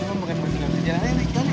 kemudian kita jalan lagi naik jalan ya